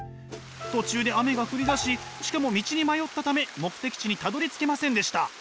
途中で雨が降りだししかも道に迷ったため目的地にたどりつけませんでした。